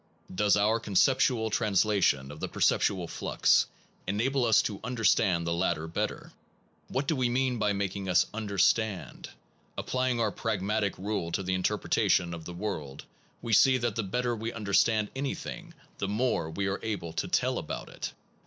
Does our conceptual translation of the per ceptual flux enable us also to understand the The theo latter better ? What do we mean of con 86 by making us understand ? Apply cepts j n g our p ra g ma tic rule to the inter pretation of the word, we see that the better we understand anything the more we are able to tell about it.